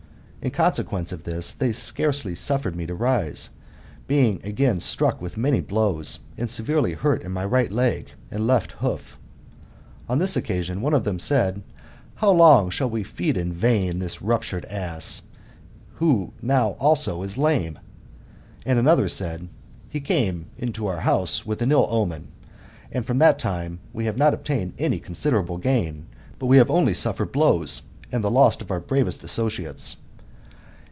In conse quence of this, they scarcely suffered me to rise, being again struck with many blows, and severely hurt in my right leg aiid left hoof. On this occasion, one of them said : How long shall we feed in vain this ruptured ass, and who now also is lame ? And adother said : He came to our house with an ill omen, and from that time we have not obtained any considerable gain, but we have only suffered blows, and the loss of our bravest associ ates.